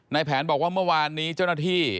แผนบอกว่าเมื่อวานนี้เจ้าหน้าที่